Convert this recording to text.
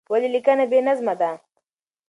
ولې لیکنه بې نظمې ده؟